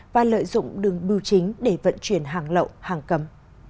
và lợi dụng đường bưu chính để vận chuyển hàng lậu hàng cầm